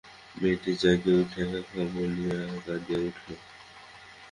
মেয়েটি জাগিয়া উঠিয়া কাকা বলিয়া কাঁদিয়া উঠিল।